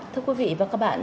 thưa quý vị và các bạn